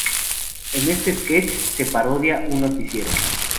En este sketch se parodia un noticiero.